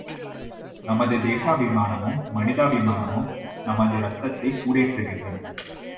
நமது தேசாபிமானமும், மனிதாபிமானமும் நமது ரத்தத்தைச் சூடேற்றுகின்றன.